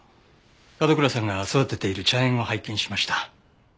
角倉さんが育てている茶園を拝見しました。